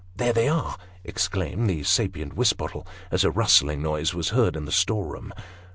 " There they are !" exclaimed the sapient Wisbottle, as a rustling noise was heard in the storeroom.